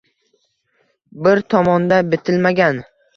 Bir tomonda bitilmagan